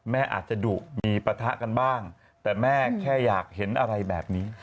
แม่อาจจะดุมีปะทะกันบ้างแต่แม่แค่อยากเห็นอะไรแบบนี้